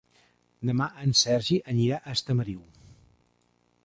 Demà en Sergi anirà a Estamariu.